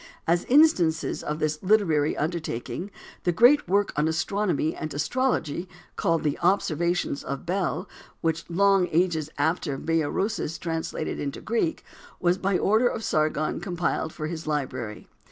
As instances of this literary undertaking the great work on astronomy and astrology called "The Observations of Bel," which long ages after Berosius translated into Greek, was by order of Sargon compiled for his library.